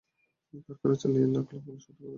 কারখানা চালিয়ে লাখ লাখ মানুষ হত্যা করা কি ন্যায়সঙ্গত?